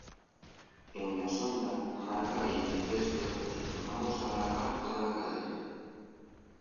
en la sonda marca veintitrés metros. vamos a alargar toda la cadena